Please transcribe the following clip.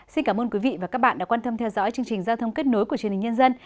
xin cảm ơn quý vị và các bạn đã quan tâm theo dõi chương trình giao thông kết nối của truyền hình nhân dân